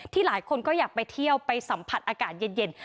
หลายคนก็อยากไปเที่ยวไปสัมผัสอากาศเย็น